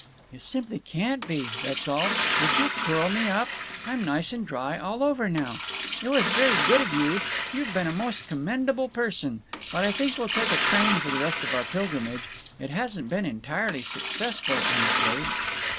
"It simply can't be, that's all…. Did you curl me up? I'm nice and dry all over now. It was very good of you. You've been a most commendable person…. But I think we'll take a train for the rest of our pilgrimage. It hasn't been entirely successful, I'm afraid."